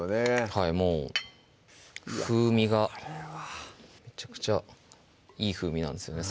はいもう風味がこれはめちゃくちゃいい風味なんですよね